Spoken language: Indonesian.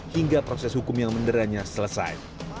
hingga proses hukum yang menderanya selesai